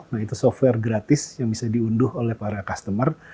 nah itu software gratis yang bisa diunduh oleh para customer